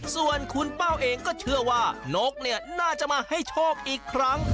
ส่วนคุณเป้าเองก็เชื่อว่านกเนี่ยน่าจะมาให้โชคอีกครั้ง